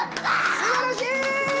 すばらしい！